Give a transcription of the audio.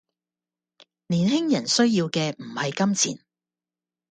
年輕人需要嘅唔係金錢